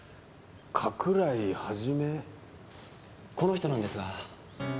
この人なんですが。